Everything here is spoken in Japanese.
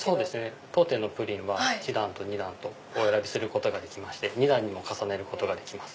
当店のプリンは１段と２段と選ぶことができまして２段にも重ねることができます。